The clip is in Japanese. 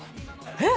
えっ？